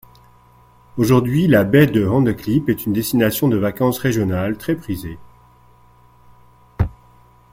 Aujourd'hui, la baie de Hondeklip est une destination de vacances régionale très prisée.